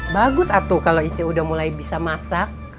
bagus atuh kalo ije udah mulai bisa masak